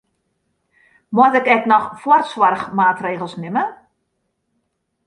Moat ik ek noch foarsoarchmaatregels nimme?